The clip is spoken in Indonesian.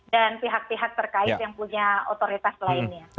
dan pihak pihak terkait yang punya otoritas lainnya